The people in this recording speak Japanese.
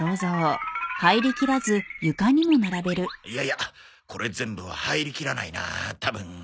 いやいやこれ全部は入りきらないなたぶん。